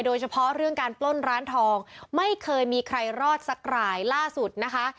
โดยเฉพาะเรื่องการปล้นร้านทองไม่เคยมีใครรอดสักรายล่าสุดนะคะ